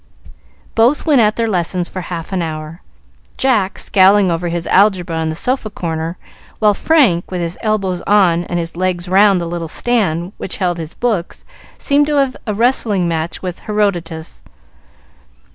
Both went at their lessons for half an hour, Jack scowling over his algebra in the sofa corner, while Frank, with his elbows on and his legs round the little stand which held his books, seemed to be having a wrestling match with Herodotus.